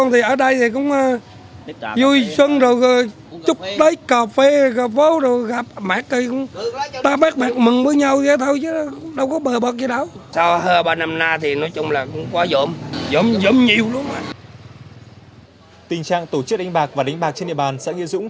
tình trạng tổ chức đánh bạc và đánh bạc trên địa bàn xã nghĩa dũng